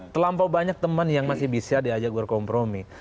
terlampau banyak teman yang masih bisa diajak berkompromi